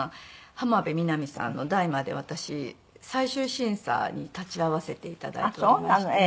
浜辺美波さんの代まで私最終審査に立ち会わせて頂いておりまして。